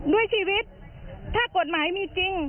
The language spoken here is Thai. ด้วยชีวิตถ้ากฎหมายมีจริง